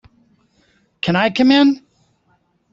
Can I come in?